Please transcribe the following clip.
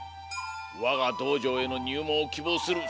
わがどうじょうへのにゅうもんをきぼうする渋谷よ。